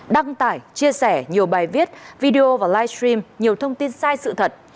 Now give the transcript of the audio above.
đăng tải chia sẻ nhiều bài viết video và live stream nhiều thông tin sai sự thật